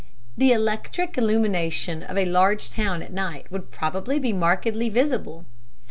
The electric illumination of a large town at night would probably be markedly visible.